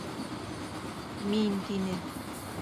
Мин! - тине.